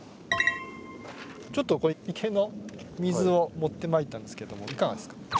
これ池の水を持ってまいったんですけどもいかがですか？